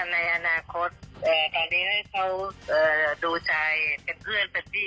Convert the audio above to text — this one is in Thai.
ในอนาคตและตอนนี้ให้เขาเอ่อดูใจเป็นเพื่อนแบบที่